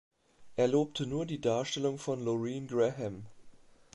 Er lobte nur die Darstellung von Lauren Graham.